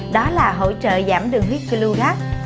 đó là hỗ trợ giảm đường huyết glu gac